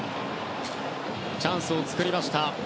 チャンスを作りました